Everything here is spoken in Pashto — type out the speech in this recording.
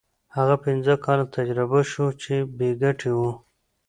هغه پنځه کاله تجربه شو چې بې ګټې وو.